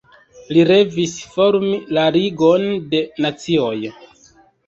Li revis formi la Ligon de Nacioj.